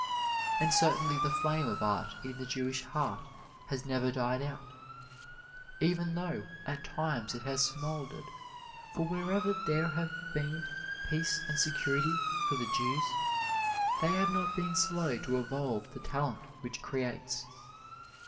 And certainly the flame of art in the Jewish heart has never died out, even though at times it has smoldered, for wherever there has been peace and security for the Jews, they have not been slow to evolve the talent which creates.